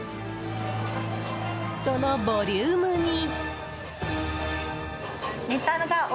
そのボリュームに。